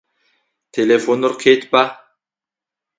Телефоныр къетба!